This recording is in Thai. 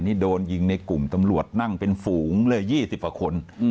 นี่โดนยิงในกลุ่มตำรวจนั่งเป็นฝูงเลย๒๐กว่าคน